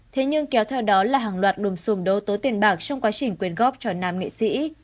thế nhưng kéo theo đó là hàng loạt lùm xùm đấu tố tiền bạc trong quá trình quyên góp cho nam nghệ sĩ